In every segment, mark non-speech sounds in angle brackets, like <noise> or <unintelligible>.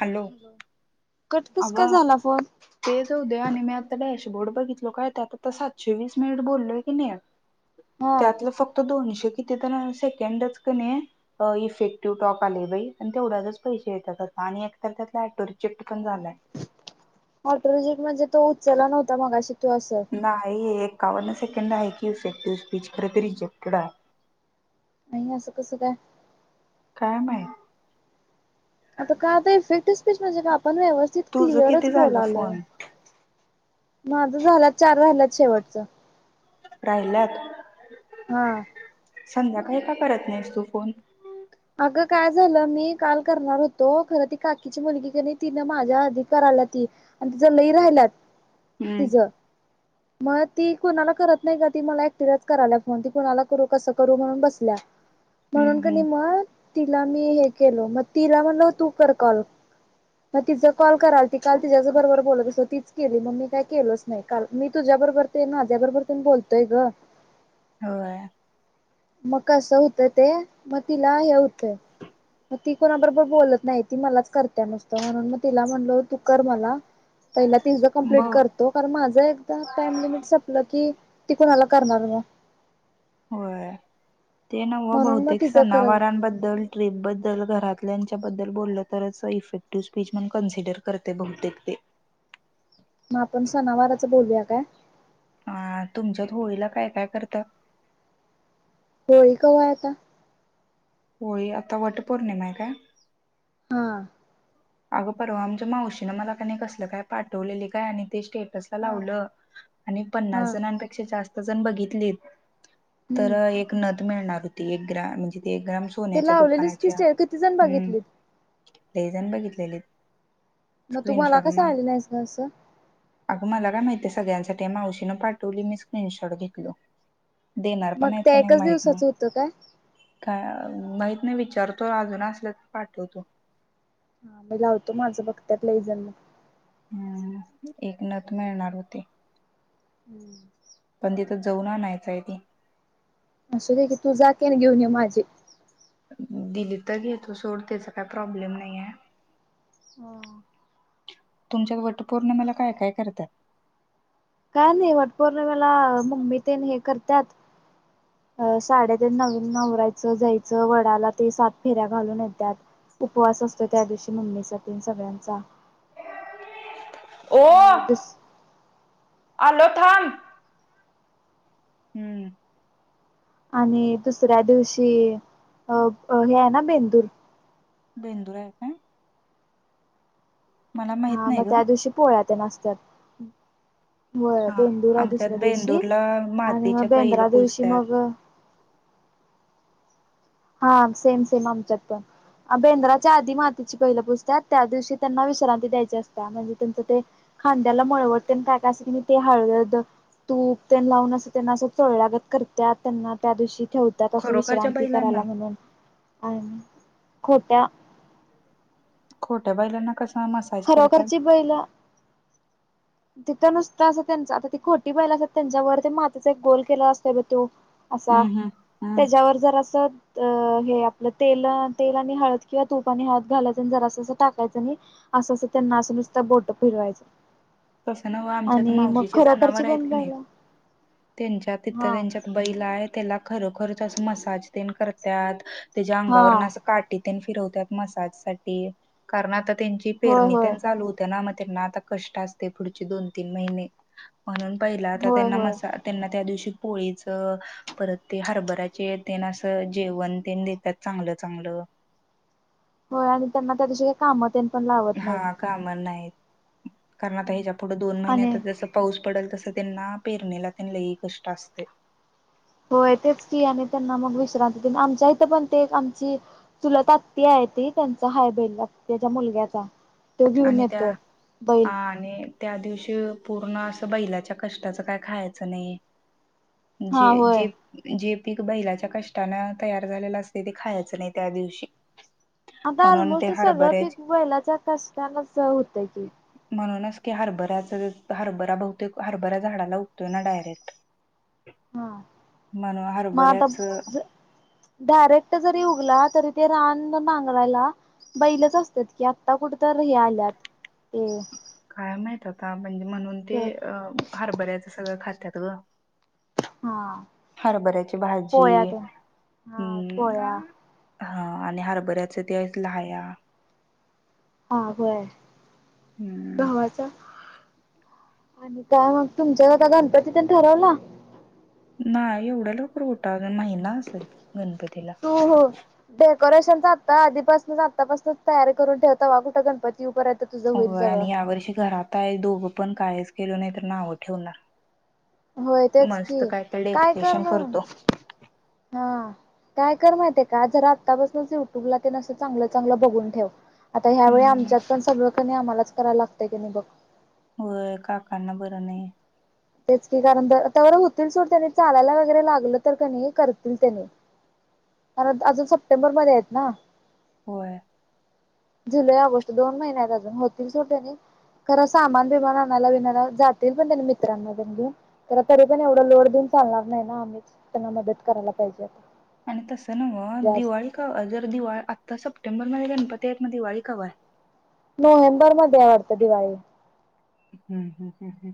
Hello cut कस अग काय झाला फोन ते जाऊदे नि म आता बोर्ड बघितलो काय त्यात सातशे वीस मिनिट बोललोय की नाही हा त्यातलं फक्त दोनशे किथ तर सेकंडच क इफेक्टिव्ह टॉक आले बाई आणि तेवढ्याच पैसे येतात. आणि एकतर त्यातला ऑटो रिजेक्ट पण झालाय. म ऑटोरिजिकट म्हणजे तो उचल नव्हता मगाशी. तू असं नाही एक एकावन्न सेकंड आहे की इफेक्टिव स्पीच खर ते रिजेक्टेड आहे. नाही असं कस काय? काय माहित. आता काय आता इफेक्ट स्पीच म्हणजे का आपण व्यवस्थित तुझं क्लिअरच किती झालं बोलालोय. फोन माझ झाल्यात चार राहिल्यात शेवटच. राहिल्यात हा संध्याकाळी का करत नाहीस तू फोन? अगं काय झालं मी काल करणार होतो खरं ती काकीची मुलगी कनी तिनं माझ्या आधी करायला ती आणि तिज लई राहिल्यात हम्म तिज मग ती कुणाला करत नाही का ती मला एकटीलाच करायला फोन ती कुणाला करू कसं करू म्हणून बसल्या हम्म म्हणून कनी हम्म म ती तिला मी हे कलो म तिला म्हणलो तू कर कॉल मग तिचा कॉल करालती काल तिच्याचं बरोबर बोलतच होती तिचं केली म मी काय केलोच नाही काल मी तुझ्याबरोबर ते माझ्या बरोबर पण बोलतोय ग. व्हय म कस होतय ते मग तिला हे होतय म ती कोणा बरोबर बोलत नाही ती मलाच करत्या नुसतं म्हणून मग तिला म्हणलो तू कर मला पहिला तिज कंप्लीट ब करतो कारण माझं एकदा टाइम लिमिट संपलं की ती कोणाला करणार म होय ते नव म्हणून मग बहुतेक तिचं करल सनावरांबद्दल ट्रिप बद्दल घरात लाच्या बद्दल बोलल तरच इफेक्टिव्ह स्पीच म्हणून कन्सिडर करते बहुतेक ते. <inaudible> मग आपण सनावारच बोलूया काय? अ तुमच्यात होळीला काय काय करतात? होळी कवा हाय आता? होळी आता वट पौर्णिमा हाय काय? हा अगं परवा आमच्या मावशीनं मला कनी कसलं काय पाठवलेली काय आणि ते स्टे टस हा लावलं आणि हा पन्नास जणांपेक्षा जास्त जण बघितलीत तर हम्म एक नथ मिळणार होती एक ग्राम म्हणजे एक ग्रॅम ते सोन्याच्या लावलेलीच की दुकानाच्या स्टे किती जण हम् बघितलीत लई जण बघितलेले हेत. मग तुम्हाला कसं आली नाहीस ग असं. आगं मला काय माहितीये सगळ्यांसाठी आहे मावशीनं पाठवली मी स्क्रीनशॉट घेतलो. देणार पण मग आहेत त्या का नाही एकाच माहित नाही. दिवसाचं होतं काय का माहीत नाही विचारतो आजून आसल्या त पाठवतो. हा मी लावतो माझं बघत्यात लई जन. हम्म एक नथ मिळणार होती. हम्म पण तिथं जाऊन आनायच आहे ते असूदे की तू जा की आणि घेऊन ये माझी दिली तर घेतो सोड त्याचा काय प्रॉब्लेम नाही हाय हुं <inaudible> तुमच्यात वटपौर्णिमेला काय- काय करत्यात? काय नाही वटपौर्णिनेमेला मम्मी तेन हे करत्यात अ साड्या तेन नवीन आवरायचं जायचं वडाला ते सात फेऱ्या घालून येत्यात उपवास असतोय त्या दिवशी मम्मीचा येन सगळ्यांचा <unintelligible> ओ नाही दूस आलो थांब. हम्म आणि दुसऱ्या दिवशी अ हे आहे ना बेंदूर. बेंदुर आहे काय? मला माहित हा नाही मग ग त्या दिवशी पोळ्या तेन आसत्यात. हा- हा आमच्यात बेंदूरला आणि मग मातीच्या बैल बेंद्रा दिवशी पुजत्यात मग <inaudible> हा सेम -सेम आमच्यात पण बेंद्राच्या आधी मातीची बैलं पुजत्यात त्या दिवशी त्यांना विश्रांती द्यायची असत्या म्हणजे त्यांचं ते खांद्याला मळवट तेन काय -काय असंतय की नाही ते हळद तूप तेन लावून असं त्यांना असं चोळल्यागत करतात त्यांना त्या दिवशी ठेवत्यात असं खरोखरच्या विश्रांती करायला बैलांना म्हणून आणि..... खोट्या खोट्या बैलांना कसं खरोखरची बैलं तिथं नुसतं असं त्यांच आता ती खोटी बैलं असतात त्यांच्यावर ते मातीचा एक गोल केला असतोय बघ तो असा हम्म हम्म हम्म त्याच्यावर जरा असं हे आपलं तेल -तेल आणि हळद किंवा तुप आणि हळद घालायचं आणि जरा असं असं टाकायचं आणि असं -असं त्यांना असं नुसतं बोट फिरवायचं तसं नवं आमच्या आता आणि मग मावशीचे जनावर खरोखरची आहेत की नाही बनवायला त्यांच्या तिथं हा त्यांच्यात बैल आहेत त्याला खरोखरच असच मसाजतेन करत्यात त्याच्या हा अंगावरून असं काठी तेन फिरवतात मसाजसाठी कारण आता त्यांची होय पेरणीत होय चालू होत्या ना मग त्यांना आता कष्ट असते पुढचे दोन- तीन महिने म्हणून पहिला आता होय त्यांना होय मसा- त्यांना त्या दिवशी पोळीचं परत ते हारभर्याचे तेन असं जेवण तेन देत्यात चांगलं -चांगलं <inaudible> होय आणि त्यांना त्यादिवशी काही कामं तेन पण लावत नाहीत हा काम नाहीत कारण आता ह्याच्या पुुढं दोन महिन्यात आणि जसं पाऊस पडल तसं त्यांना पेरणीला तेन लय कष्ट असतय होय तेच कि आणि त्यांना मग विश्रांती हो आमच्या इथे पण ते आमची चुलत आत्ती आहे हाय ती त्यांचा हाय बैल आत्याच्या मुलग्याचा तो घेऊन आणि त्या येतोय हा बैल आणि त्या दिवशी पूर्ण असं बैलाच्या कष्टाचं काय खायचं नाही हा जे होय -जे- जे पिक बैलाच्या कष्टानं तयार झालेलं असतय ते खायचं नाही त्या दिवशी आता म्हणून ते ऑलमोस्ट सगळं पीक हरभऱ्याचे बैलाच्या कष्टानच होतंय की हरभरा हरभरा बहुतेक हरभरा झाडाला उगतोय ना डायरेक्ट. हा म्हणून मग आता हरभऱ्याच डायरेक्ट जरी उगला तरी ते रान नांगरायला बैलच असतात की आता कुठं तर हे आल्यात. ह. काय माहित आता म्हणजे म्हणून ते अ हरभऱ्याचं सगळं खातात गं. हा हरभऱ्याची भाजी.. पोळ्या तेन. हा पोळ्या. हम्म हा आणि हरभऱ्याचे त्यात लाह्या. हा होय. हम्म. गव्हाचा आणि काय मग तुमच्यात आता गणपतीतेन ठरवला. नाही एवढ्या लवकर कुठं अजून महिना असेल. गणपतीला. हो हो दे. डेकोरेशन आता आधीपासूनच आत्तापासूनच तयारी करून ठेव तवा कुठं गणपती येउपर्येंत होय आणि यावर्षी घरात आहे दोघं पण कायच केलं नाही तर नावं ठेवणार. होय तेच की मस्त तर काय कर डेकोरेशन म करतो. हा.. काय कर माहितीये का जरा आत्तापासूनच युट्यूब ला तेन असं चांगलं चांगलं बघून ठेव. आता ह्या वेळी हम्म आमच्यात पण सगळं कणी आम्हालाच करायला लागतंय की नाही बघ. होय काकांना बरं नाही. तेच की कारण का तवर होतील, सोड त्यांनी चालायला वगैरे लागलं तर कनय करतील त्यांनी परत अजून सप्टेंबरमध्ये आहेत ना, होय. जुलै ऑगस्ट दोन महिन्यात अजून होतील सोड त्येंनी खर सामान बिमान आणायला विनाकरणं जाताय पण त्येंनी मित्रांना <unintelligible> तेन घेऊन घरं तरी पण एवढा लोड घेऊन चालणार नाही ना, आम्हीच त्यांना मदत करायला पाहिजे. आणि तस नव जास्त दिवाळी का जर, दिवा आता सप सप्टेंबर मध्ये गणपती आहेत. मग दिवाळी कव्हा हे? नोव्हेंबर मध्ये आहे वाटतं दिवाळी. हम्म हम्म हम्म हम्म.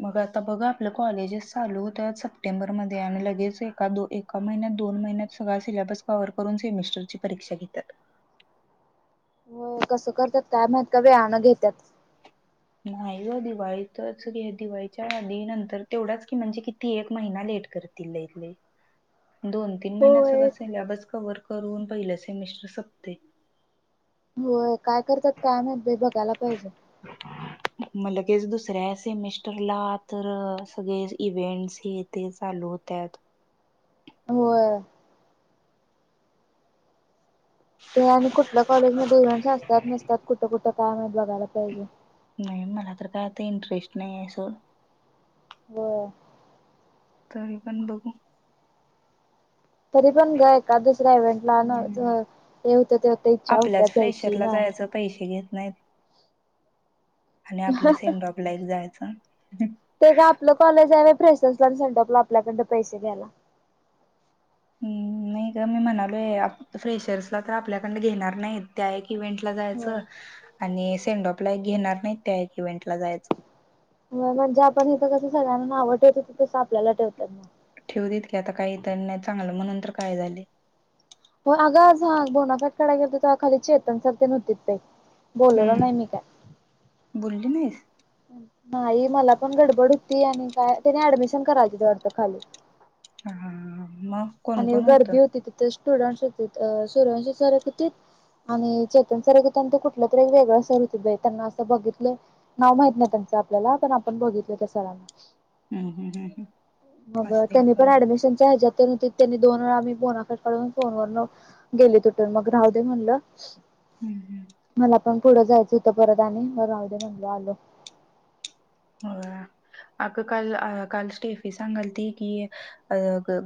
मग आता बघा आपलं कॉलेजच चालू होत्यात. सप्टेंबर मध्येआणि लगेच एका दोन एक महिन्यात दोन महिन्यात सगळा सिल्याबस कव्हर करून सेमिस्टरची परीक्षा घेत्यात. हो कसं करत्यात काय माहीत का वेळानं घेत्यात. नाही ग दिवाळीतच घे दिवाळीच्या, आधी नंतर तेवढाच की म्हणजे किती एक महिना लोट करतील लईतलई. दोन तीन महिन्या होय. सगळा, सिलेबस कव्हर करून पहिलं सेमिस्टर संपतय. होय काय करत्यात काय माहीत बई बघायला पाहिजे. <inaudible> म लगेच दुसऱ्या सेमिस्टरला तर सगळ, इव्हेंन्टस हे ते चालू होत्या. त्यांत होय. ते आणि कुठल्या कॉलेजमध्ये इव्हेंट्स असतात नसतात कुठं, कुठं, काय माहीत बघायला पाहिजे. नाही मला तर काय आता इंटरेस्ट नाही आहे सोड. होय. तरी पण बघू. तरी पण ग एकात दुसऱ्या इव्हेंटला न ज हम्म हे होतय ते होतय इच्छा होत्याच जायची ना, नाही आणि आपल्या सेंडऑफला एक जायचं. ते काय आपलं कॉलेज आहे. व्हय फ्रेशर्सला आणि सेंडऑफला आपल्याकडनं पैसे घ्यायला. हम नय ग मी म्हणालोय याप फ्रेशर्स ला तर आपल्याकडन घेणार नाहीत त्या इव्हेंट ला जायच होय आणि सेंडॉप ला घेणार नाहीत त्या एक इव्हेंट ला जायचं. व्हय म्हणजे आपण इथं कसं सगळ्यांना नाव ठेवतोय ती तसं आपल्याला ठेवत्यात. ठेवू देत की आता काय नय चांगलं म्हणून तर काय झालंय. हो ना आग आज बोनाफाईड काढाय गेलतो, तवा खाली चेेतन सर तेन होतीत बई हम बोलली नाहीस. नाही मला पण गडबड होती. आणि काय त्यांनी ऍडमिशन करालतीत वाटतं खाली. हा हा हा. आणि गर्दी होती तिथं स्टुडंट्स होतीत सूर्यवंशी सर एक <unintelligible> होतीत. आणि चेतन सर एक हुता. ते कुठलं तरी एक वेगळं सर होतीत. बई त्यांना असं बघितलोय नाव माहित नाही त्यांच <unintelligible> आपल्याला पण आपण बघितलोय त्या सरांना. हम्म हम्म हम्म हम्म. मग असतील त्यांनी पण कोण ऍडमिशनच्या हच्यात ते नी ते दोन वेळा आम्ही बोनाफाईडय काढून फोन वरन गेले तिथं मग राहूदे म्हणलं. हम्म हम्म. मला पण पुढं जायचं हुतं परत आणि म राहूदे म्हणलं आलो. ह <inaudible> आग काल अ काल स्टेफी सांगालती की अ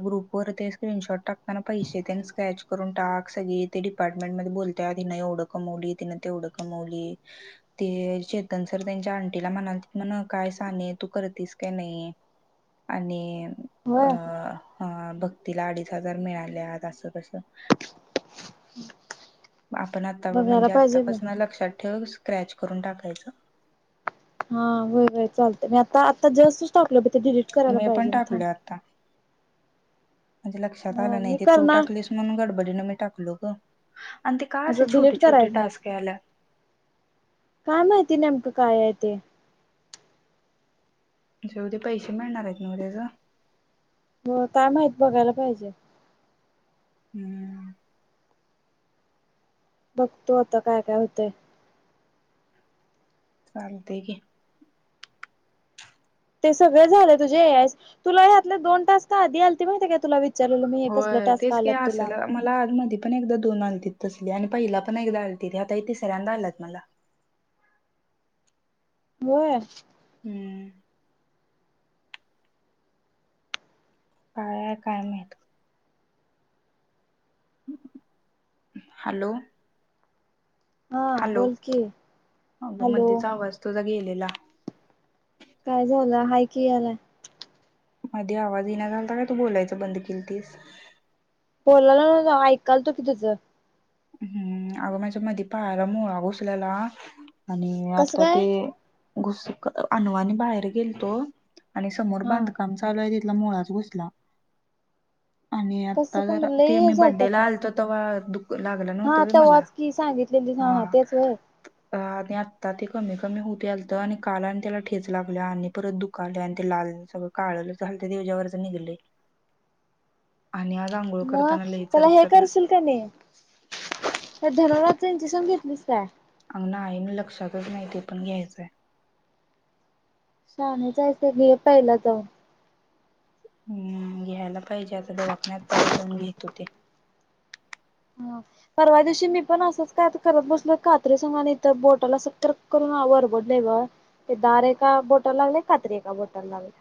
ग्रुप वर ते स्क्रीन शॉट टाक टाकताना पैसे तेन स्क्रॅच करून टाक. सगळी इथे डिपार्टमेंट मध्ये बोलत्यात इन एवढं कमावली, तिनं तेवढं कमावली, तेवढं कमवली ते चेतन सर त्यांच्या आंटीला म्हणालती म्हण काय साने तू करतीस काय नाही आणि अ होय हा भक्तीला अडीच हजार मिळाल्यात असं कसं आपण आता बघायला म्हणजे पाहिजे पण आतापासून लक्षात ठेवू, स्क्रॅच करून टाकायचं. हा व्हय व्हय चालत, मी आता आता जस्टच टाकलं होत डिलीट करायला मी पण पाहिजे थांब. टाकलोय आता म्हणजे लक्षात म आलं नाही मी ते तू करणार टाकलीस म्हणून गडबडीनं मी टाकलो ग. आणि ते का असे म्हटलं छोटे डिलीट छोटे करायचं टास्क यायला. काय माहिती नेमकं काय आहे ते. जावंदे पैसे मिळणार हाईत न्हवं त्याच. हो काय माहित बघायला पाहिजे. रिकामा ऑडिओ बघतो आता काय काय होतेय. चालतेय की. ते सगळं झालं तुझे हे एस तुला ह्यातले दोन टास्क आधी आलते माहितीय का? तुला विचारलं मी हे कसला होय टास्क तेच की आलाय तुला. असायला मला आज मधी पण एकदा दोन आलती तसली आणि पहिला पण एकदा आलती, आता हे तिसऱ्यांदा आला मला. व्हय. हं. काय आहे काय माहित.? हॅलो. हा हॅलो बोल की अग हॅलो मधेच आवाज तुझा गेलेला. काय झालं हाय कि याला. मध्ये आवाज येना झालता का तू बोलायच बंद केलतीस? बोलाला ना ऐकाल तो की तुझं. हम्म अगं माझ्यामध्ये पायाला मोळा घुसलेला. आणि कसं आता काय ते घुस अनवानी बाहेर गेलतो. आणि समोर हा बांधकाम चालू आहे तिथला मुळाच घुसला. आणि कसं आता काय जरा, म्हटलं लई ते मी हे झालतं बर्थडे का? आलतो तवा... हा तव्हाच की सांगितलेली हा तेच होय. आणि आत्ता ते कमी कमी होते आलत आणि काल आणि त्याला ठेच लागलं आणि परत दुखाले आणि ते लाल सगळं. काळनिळ झालतं आणि त्याच्यावरच निघलय आणि आज आंघोळ मग करताना लई त्याला हे चरचरलं करशील का नाही? तर धनुर्वाताची इंजेक्शन घेतलीस काय? अंगणा आईन लक्षातच नाही ते पण घ्यायचंय. शाहण्यासारख घे पहिला जाऊन. हम्म घ्यायला पाहिजे आता दवाखान्यात, पहिला जाऊन घेतो ते. हा <inaudible> परवा दिवशी मी पण असंच काय करत बसलो, कात्री सगा तर बोटला सक् <unintelligible> करून वरबडले ग ते दारे का बोटाला लागले कात्री का बोटाला लागले.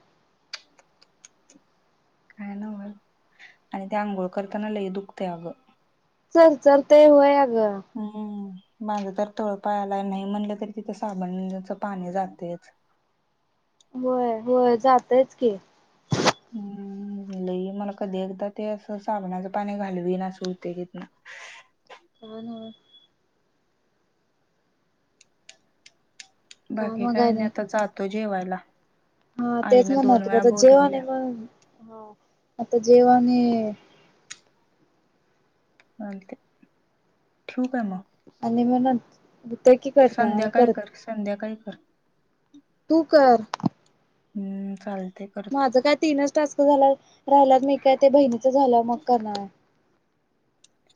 <inaudible> काय नव्ह आणि ते आंघोळ करताना, ल दुखते अगं चल चल ते होय. अगं हम्म. माझं तर तोळपायाला, नाही म्हणलं तरी तिथं साबणच पाणी जातेयच होय होय जातयच की हम्म. लई मला कधी एकदा ते असं साबणाचं पाणी घालवीन, अस होतय तिथन. हो ना हो. बाकी मग काय नाही आणि आता जातो जेवायला. हा तेच आईनं म्हण दोन राहिलं होतं, वेळा आता जेवणे बोलवल्या मग. हा आता जेव्हा मी आणि ते आणि म्हणल ते की करता, आणि संध्याकाळी करल. कर <unintelligible> तू कर हम्म चाल. माझं काय तीनच टस्क झाला राहिलात नी मी काय ते बहिणीच झालं मग करणार.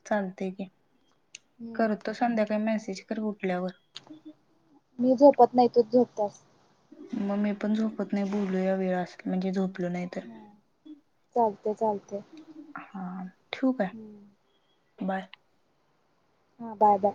चालतय की करतो संध्याकाळी, मेसेज तर उटल्यावर. मी झोपत नाही तूच झोपतस. मग मी पण झोपत नाही बुलूल्या या वेळ, असेल म्हणजे झोपलो नाही तर हा चालते चालते. हा ठेवू काय? हम्म. बाय. हा बाय बाय.